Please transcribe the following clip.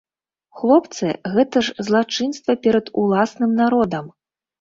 Хлопцы, гэта ж злачынства перад уласным народам.